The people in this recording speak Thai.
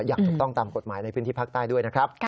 อย่างถูกต้องตามกฎหมายในพื้นที่ภาคใต้ด้วยนะครับ